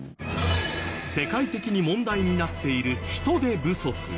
世界的に問題になっている人手不足。